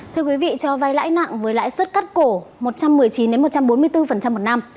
thưa quý vị cho vay lãi nặng với lãi suất cắt cổ một trăm một mươi chín một trăm bốn mươi bốn một năm